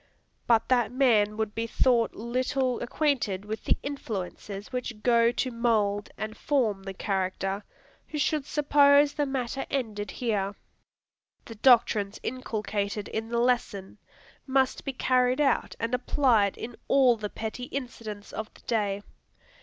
But that man would be thought little acquainted with the influences which go to mould and form the character, who should suppose the matter ended here. The doctrines inculcated in the lesson, must be carried out and applied in all the petty incidents of the day.